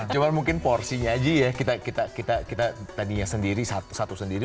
cuma mungkin porsinya aja ya kita tadinya sendiri satu sendiri